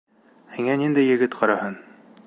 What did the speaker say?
Һиңә ниндәй егет ҡараһын?